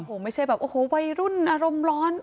โอ้โหไม่ใช่แบบโอ้โหวัยรุ่นอารมณ์ร้อน